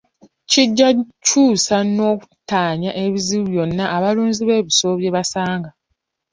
Kijja kukyusa n'okuttaanya ebizibu byonna abalunzi b'ebisolo bye basanga.